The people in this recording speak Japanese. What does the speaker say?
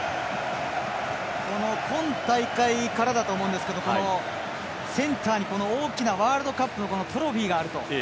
今大会からだと思うんですけどセンターに大きなワールドカップのトロフィーがあると。